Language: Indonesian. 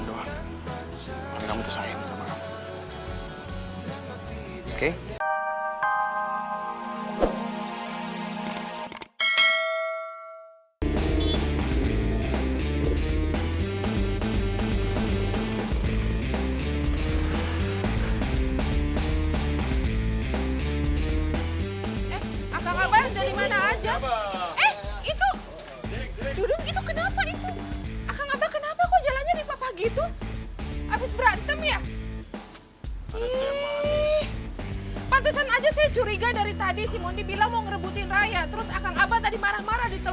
terus akang abah tadi marah marah di telepon ini pasti abis berantem